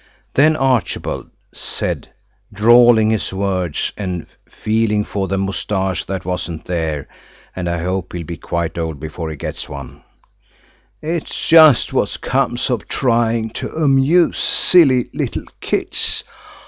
Then Archibald said, drawling his words and feeling for the moustache that wasn't there, and I hope he'll be quite old before he gets one– "It's just what comes of trying to amuse silly little kids.